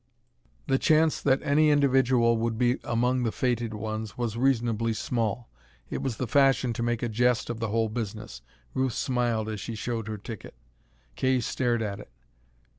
The chance that any individual would be among the fated ones was reasonably small. It was the fashion to make a jest of the whole business. Ruth smiled as she showed her ticket. Kay stared at it.